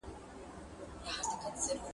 • چي ډېر غواړي جنگونه، هغه ډېر کوي ودونه.